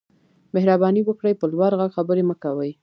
مهرباني وکړئ په لوړ غږ خبرې مه کوئ